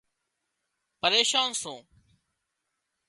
پريشان سُون